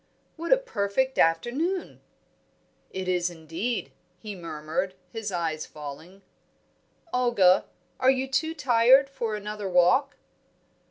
"What a perfect afternoon!" "It is, indeed," he murmured, his eyes falling. "Olga, are you too tired for another walk?"